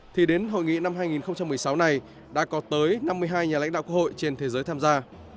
thì đến hội nghị năm hai nghìn một mươi sáu này đã có tới năm mươi hai nhà lãnh đạo quốc hội trên thế giới tham gia